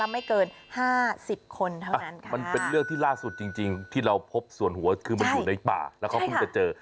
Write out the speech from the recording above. มันเป็นเรื่องที่ล่าสุดจริงที่เราพบส่วนหัวคือมันอยู่ในป่าแล้วเขาก็คือจะเจอ